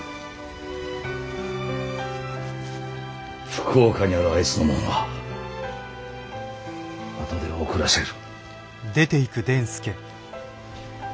福岡にあるあいつのもんは後で送らせる。